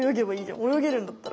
およげるんだったら。